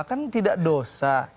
kan tidak dosa